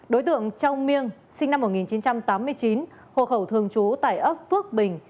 đối tượng trong miêng sinh năm một nghìn chín trăm tám mươi chín hộ khẩu thường trú tại ấp phước bình